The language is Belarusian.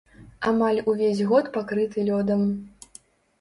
Амаль увесь год пакрыты лёдам.